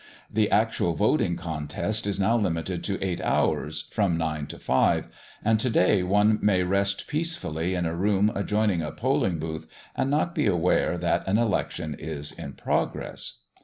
The actual voting contest is now limited to eight hours, from nine to five; and to day one may rest peacefully in a room adjoining a polling booth and not be aware that an election is in progress.